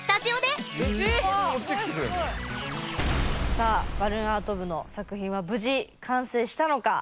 さあバルーンアート部の作品は無事完成したのか。